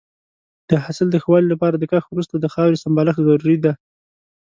د حاصل د ښه والي لپاره د کښت وروسته د خاورې سمبالښت ضروري دی.